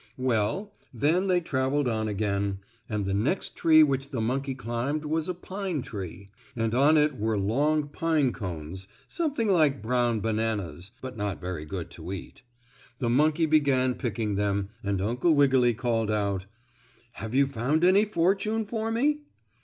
Well, then they traveled on again, and the next tree which the monkey climbed was a pine tree, and on it were long pine cones, something like brown bananas, but not very good to eat. The monkey began picking them, and Uncle Wiggily called out: "Have you found any fortune for me?"